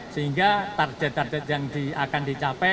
sehingga target target yang akan dicapai